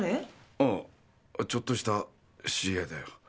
ああちょっとした知り合いだよ。